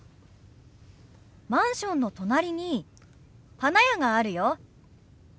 マンションの隣に花屋があるよ。